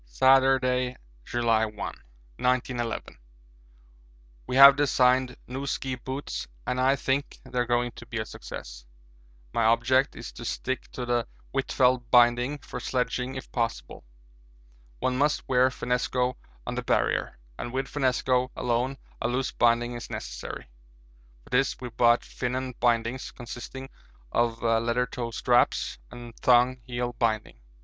Saturday, July 1, 1911. We have designed new ski boots and I think they are going to be a success. My object is to stick to the Huitfeldt binding for sledging if possible. One must wear finnesko on the Barrier, and with finnesko alone a loose binding is necessary. For this we brought 'Finon' bindings, consisting of leather toe straps and thong heel binding.